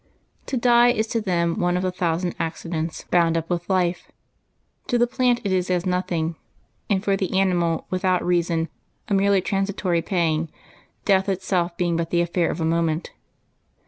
To die is to them one of the thousand accidents bound up with life ; to the plant it is as nothing, and for the animal without reason a merely transitory pang, death itself being but the affair of a moment.